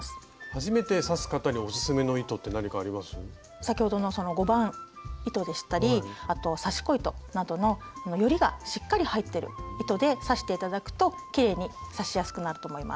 先ほどの５番糸でしたりあと刺し子糸などのよりがしっかり入ってる糸で刺して頂くときれいに刺しやすくなると思います。